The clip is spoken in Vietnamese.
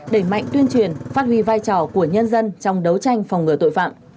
đẩy mạnh tuyên truyền phát huy vai trò của nhân dân trong đấu tranh phòng ngừa tội phạm